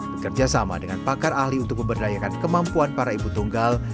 bekerja sama dengan pakar ahli untuk memberdayakan kemampuan para ibu tunggal